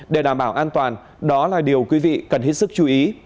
để đảm bảo an toàn đó là điều quý vị cần hết sức chú ý